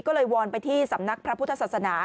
ก็เลยวอนไปที่สำนักพระพุทธศาสนา